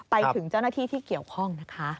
ไปถึงเจ้าหน้าที่ที่เกี่ยวข้องนะคะ